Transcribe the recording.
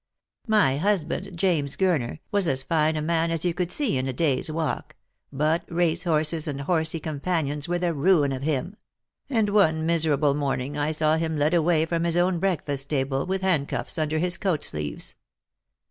My husband, James Gurner, was as fine a man as you could see in a day's walk, but racehorses and horsy companions were the ruin of him ; and one miserable morning I saw him led away from his own breakfast table, with handcuffs under his coat sleeves.